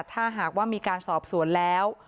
ถ้าหากว่ามีการสอบสวนแล้ว